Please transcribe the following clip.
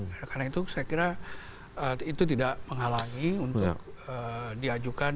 karena itu saya kira itu tidak menghalangi untuk diajukan